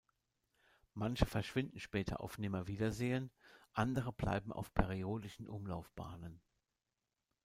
Manche verschwinden später auf Nimmerwiedersehen, andere bleiben auf periodischen Umlaufbahnen.